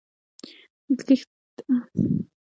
د کښته او لاندي ماناوي تقريباً سره يو دي.